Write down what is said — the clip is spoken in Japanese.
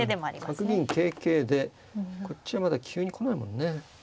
うん角銀桂桂でこっちはまだ急に来ないもんね。